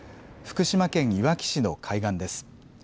福島県いわき市の海岸です。